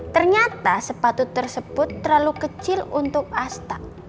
ternyata sepatu tersebut terlalu kecil untuk asta